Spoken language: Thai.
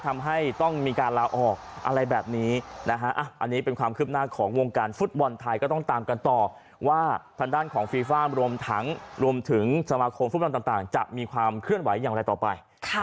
วงการฟุตบอลไทยก็ต้องตามกันต่อว่าทางด้านของฟรีฟ้ารวมทั้งรวมถึงสมาคมฟุตบอลต่างจะมีความเคลื่อนไหวอย่างไรต่อไป